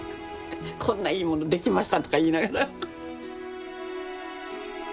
こんないいもの出来ましたとか言いながら。